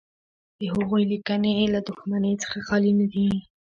د هغوی لیکنې له دښمنۍ څخه خالي نه دي.